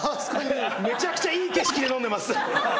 めちゃくちゃいい景色で飲んでます。